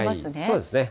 そうですね。